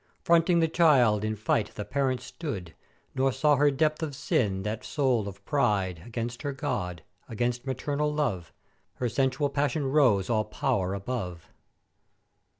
Fronting the child in fight the parent stood; nor saw her depth of sin that soul of pride against her God, against maternal love: Her sensual passion rose all pow'r above.